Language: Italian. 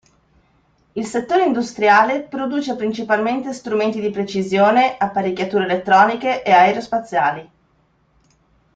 Il settore industriale produce principalmente strumenti di precisione, apparecchiature elettroniche e aerospaziali.